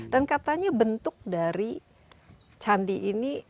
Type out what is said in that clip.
dan katanya bentuk dari candi ini